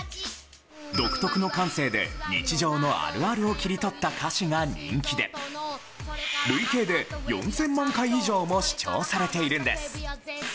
独特の感性で日常のあるあるを切り取った歌詞が人気で累計で４０００万回以上も視聴されているんです。